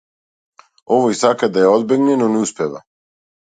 Овој сака да ја одбегне, но не успева.